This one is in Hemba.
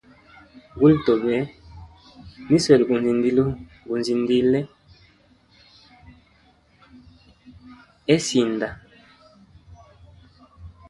Guli tobe, niswele gunzindile he sinda.